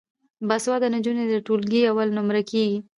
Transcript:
باسواده نجونې د ټولګي اول نمره کیږي.